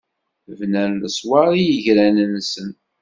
Bnan leṣwaṛ i yigran-nsen.